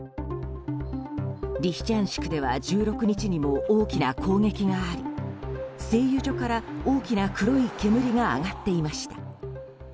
リシチャンシクでは１６日にも大きな攻撃があり製油所から大きな黒い煙が上がっていました。